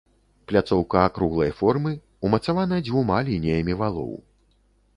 Пляцоўка акруглай формы, умацавана дзвюма лініямі валоў.